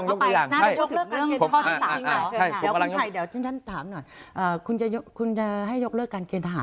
อย่าเพิ่งเปิดประเด็นใหม่เดี๋ยวก่อนนะ